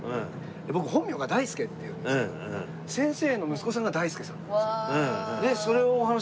僕本名がダイスケっていうんですけど先生の息子さんがダイスケさんなんですよ。